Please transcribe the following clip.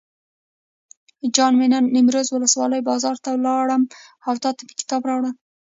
جان مې نن نیمروز ولسوالۍ بازار ته لاړم او تاته مې کتاب راوړل.